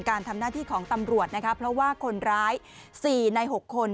การทำหน้าที่ของตำรวจนะคะเพราะว่าคนร้าย๔ใน๖คน